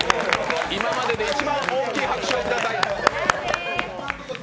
今まで一番大きい拍手をください。